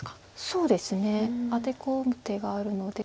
そうですねアテ込む手があるので。